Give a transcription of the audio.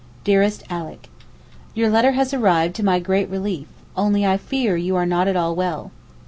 DEAREST ALICK, Your letter has arrived to my great relief—only I fear you are not at all well.